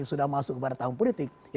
sudah masuk kepada tahun politik